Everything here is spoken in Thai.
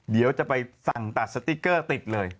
เดี๋ยวจะไปสั่งตัดสติ๊กเกอร์ติดเลย